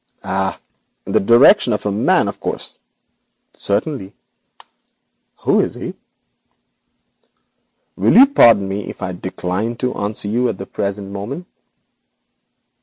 'Ah! In the direction of a man, of course?' 'Certainly.' 'Who is he?' 'Will you pardon me if I decline to answer this question at the present moment?'